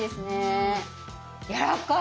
やわらかい。